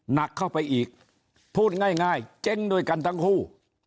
หนักเข้าไปอีกพูดง่ายเจ๊งด้วยกันทั้งคู่